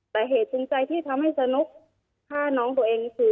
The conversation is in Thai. แต่เหตุจริงใจที่ทำให้สนุกฆ่าน้องตัวเองคือ